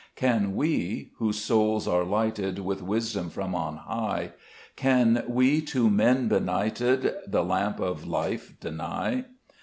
3 Can we, whose souls are lighted With wisdom from on high, Can we to men benighted The lamp of life deny